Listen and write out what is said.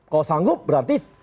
kalau sanggup berarti